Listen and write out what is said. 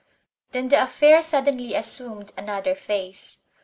Then the affair suddenly assumed another phase.